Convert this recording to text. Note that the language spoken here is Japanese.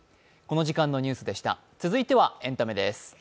続いてはエンタメです。